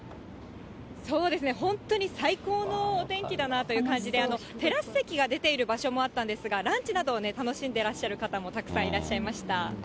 そうですね、本当に最高のお天気だなという感じで、テラス席が出ている場所もあったんですが、ランチなどを楽しんでらっしゃる方もたくさんいらっしゃいました。